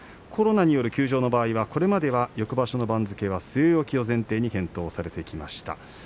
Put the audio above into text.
コロナによる休場の場合はこれまでは翌場所の番付は据え置きを前提に検討されていました。